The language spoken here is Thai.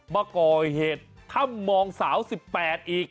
มาก่อเหตุถ้ำมองสาว๑๘อีก